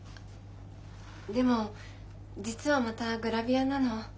でも実はまたグラビアなの。